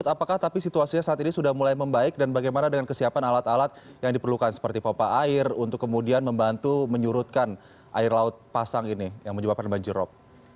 apakah tapi situasinya saat ini sudah mulai membaik dan bagaimana dengan kesiapan alat alat yang diperlukan seperti pompa air untuk kemudian membantu menyurutkan air laut pasang ini yang menyebabkan banjir rob